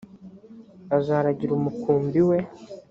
azaragira umukumbi we